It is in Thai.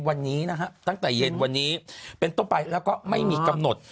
วันนี้นะฮะตั้งแต่เย็นวันนี้เป็นต้นไปแล้วก็ไม่มีกำหนด